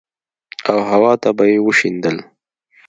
او هوا ته به يې وشيندل.